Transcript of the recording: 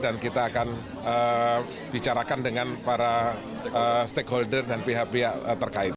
dan kita akan bicarakan dengan para stakeholder dan pihak pihak terkait